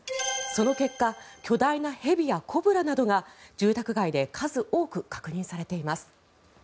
その結果巨大な蛇やコブラなどが住宅街で数多く確認されています。